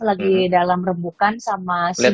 lagi dalam rebukan sama simanat